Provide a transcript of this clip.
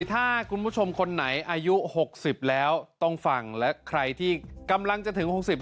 ถ้าคุณผู้ชมคนไหนอายุ๖๐แล้วต้องฟังและใครที่กำลังจะถึง๖๐